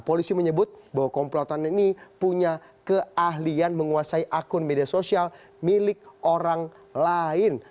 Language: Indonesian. polisi menyebut bahwa komplotan ini punya keahlian menguasai akun media sosial milik orang lain